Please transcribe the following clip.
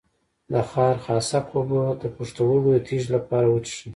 د خارخاسک اوبه د پښتورګو د تیږې لپاره وڅښئ